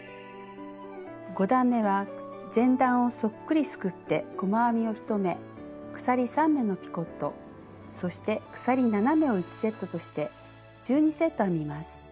５段めは前段をそっくりすくって細編みを１目鎖３目のピコットそして鎖７目を１セットとして１２セット編みます。